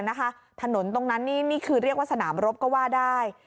ถนนตรงนั้นนี่คือเรียกว่าสนามรบก็ว่าได้